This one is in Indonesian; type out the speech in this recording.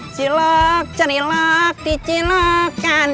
cilok cari lok di cilokan